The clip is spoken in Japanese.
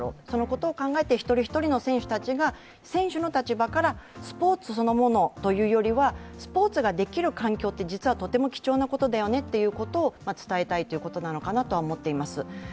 そのことを考えて１人１人の選手が選手の立場から、スポーツそのものというよりは、スポーツができる環境って実はとても大事だよねというのが伝えたいということなのかなと思っています。